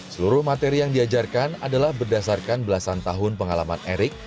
seluruh materi yang diajarkan adalah berdasarkan belasan tahun pengalaman erik